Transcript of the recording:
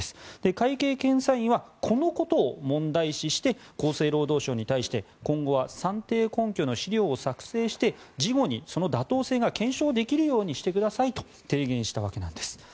会計検査院はこのことを問題視して厚生労働省に対して今後は算定根拠の資料を作成して事後にその妥当性が検証できるようにしてくださいと提言したわけなんです。